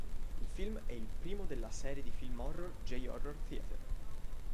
Il film è il primo della serie di film horror J-Horror Theater.